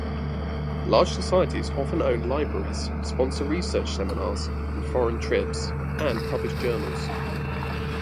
Large societies often own libraries, sponsor research seminars and foreign trips, and publish journals.